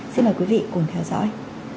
xin mời quý vị cùng theo dõi